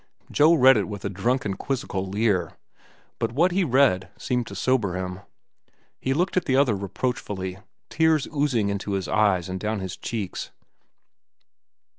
Joe read it with a drunken, quizzical leer. But what he read seemed to sober him. He looked at the other reproachfully, tears oozing into his eyes and down his cheeks.